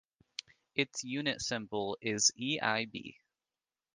Its unit symbol is EiB.